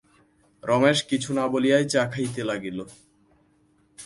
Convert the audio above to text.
রমেশ কিছু না বলিয়াই চা খাইতে লাগিল।